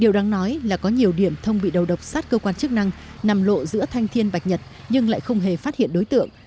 điều đáng nói là có nhiều điểm thông bị đầu độc sát cơ quan chức năng nằm lộ giữa thanh thiên bạch nhật nhưng lại không hề phát hiện đối tượng